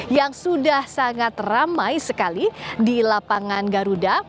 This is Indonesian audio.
yang sudah sangat ramai sekali di lapangan garuda